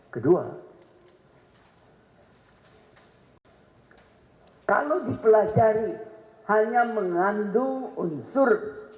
kedua kalau dipelajari hanya mengandung unsur